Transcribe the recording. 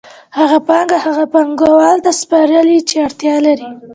هغوی پانګه هغو پانګوالو ته سپاري چې اړتیا لري